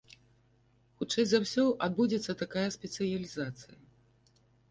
Хутчэй за ўсё, адбудзецца такая спецыялізацыя.